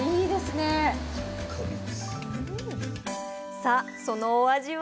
さあそのお味は？